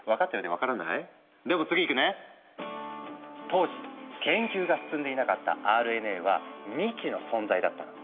当時研究が進んでいなかったＲＮＡは未知の存在だったの。